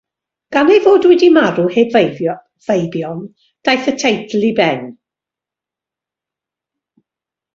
Gan ei fod wedi marw heb feibion, daeth y teitl i ben.